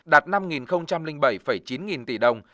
đạt năm bảy chín nghìn tỷ đồng